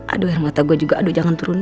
aduh mata gue juga aduh jangan turun